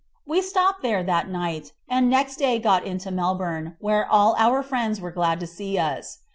We stopped there that night, and next day got into Melbourne, where all our old friends were glad to see us.